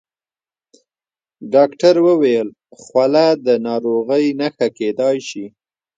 ډاکټر وویل خوله د ناروغۍ نښه کېدای شي.